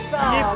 bua garba iksu